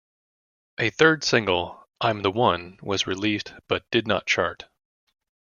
A third single, "I'm The One", was released but did not chart.